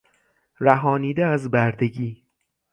رهانیده از بردگی